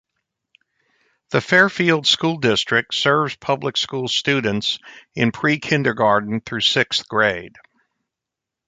The Fairfield School District serves public school students in pre-kindergarten through sixth grade.